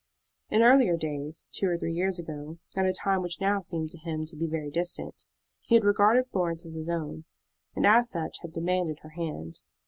In earlier days, two or three years ago, at a time which now seemed to him to be very distant, he had regarded Florence as his own, and as such had demanded her hand.